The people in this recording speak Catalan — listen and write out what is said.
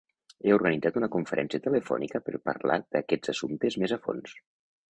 He organitzat una conferència telefònica per parlar d'aquests assumptes més a fons.